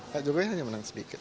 pak jokowi hanya menang sedikit